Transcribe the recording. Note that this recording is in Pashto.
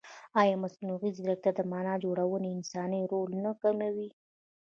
ایا مصنوعي ځیرکتیا د معنا جوړونې انساني رول نه کموي؟